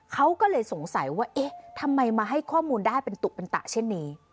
เขาก็เลยสงสัยว่าเอ๊ะทำไมมาให้ข้อมูลได้เป็นตุเป็นตะเช่นนี้